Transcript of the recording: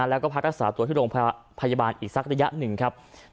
แล้วก็พักรักษาตัวที่โรงพยาบาลอีกสักระยะหนึ่งครับ